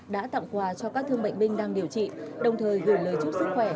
đã tặng quà cho các thương bệnh binh đang điều trị đồng thời gửi lời chúc sức khỏe